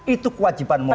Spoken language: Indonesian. itu kewajiban moral